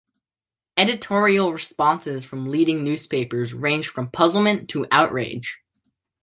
Editorial responses from leading newspapers ranged from puzzlement to outrage.